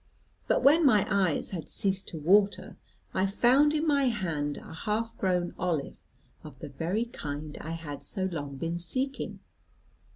But when my eyes had ceased to water, I found in my hand a half grown olive of the very kind I had so long been seeking.